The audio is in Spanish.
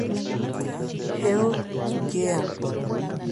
Hell Yeah!